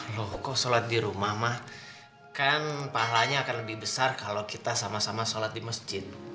loh kok sholat di rumah mah kan pahalanya akan lebih besar kalau kita sama sama sholat di masjid